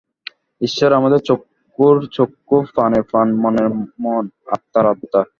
ঈশ্বর আমাদের চক্ষুর চক্ষু, প্রাণের প্রাণ, মনের মন, আত্মার আত্মা।